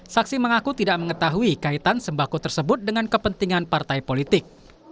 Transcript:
saksi mengaku tidak mengetahui kaitan sembako tersebut dengan kepentingan partai politik